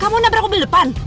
kamu nabrak mobil depan